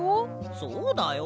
そうだよ。